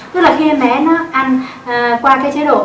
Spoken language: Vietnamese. tức là khi em bé nó ăn qua cái chế độ